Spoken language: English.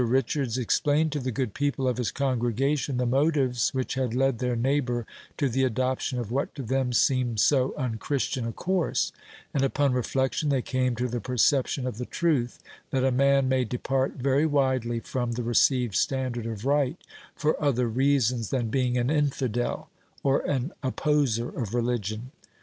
Richards explained to the good people of his congregation the motives which had led their neighbor to the adoption of what, to them, seemed so unchristian a course; and, upon reflection, they came to the perception of the truth, that a man may depart very widely from the received standard of right for other reasons than being an infidel or an opposer of religion.